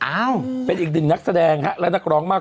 อ้าวเป็นอีกหนึ่งนักแสดงฮะและนักร้องมาก